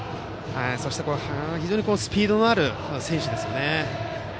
非常にスピードのある選手ですよね。